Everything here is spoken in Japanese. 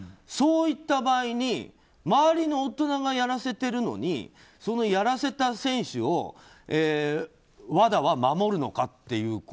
そういった場合に周りの大人がやらせてるのにそのやらせた選手をＷＡＤＡは守るのかという。